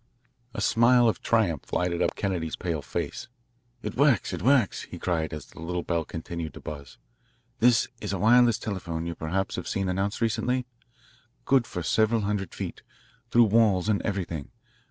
A smile of triumph lighted up Kennedy's pale face. "It works, it works," he cried as the little bell continued to buzz. " This is a wireless telephone you perhaps have seen announced recently =20 good for several hundred feet through walls and everything.